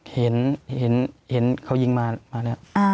เห็นเขายิงมาแล้ว